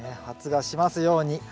発芽しますように。